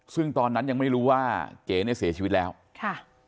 ซึ่งตอนนั้นยังไม่รู้ว่าเก๋เนี่ยเสียชีวิตแล้วค่ะ